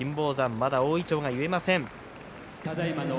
まだ大いちょうが結えません。